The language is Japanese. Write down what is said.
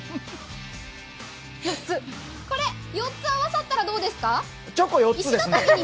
これ、４つ合わさったらどうですか？